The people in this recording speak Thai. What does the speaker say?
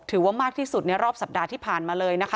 ถือว่ามากที่สุดในรอบสัปดาห์ที่ผ่านมาเลยนะคะ